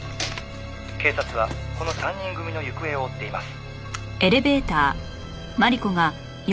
「警察はこの３人組の行方を追っています」